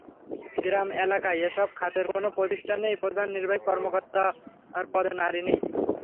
গ্রাম এলাকায় এসব খাতের কোনো প্রতিষ্ঠানেই প্রধান নির্বাহী কর্মকর্তার পদে নারী নেই।